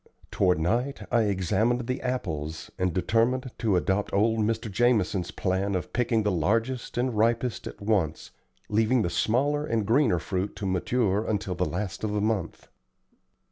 Toward night I examined the apples, and determined to adopt old Mr. Jarmson's plan of picking the largest and ripest at once, leaving the smaller and greener fruit to mature until the last of the month.